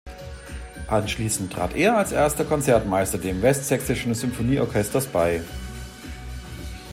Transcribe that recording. Anschließend trat er als Erster Konzertmeister dem Westsächsischen Symphonieorchesters bei.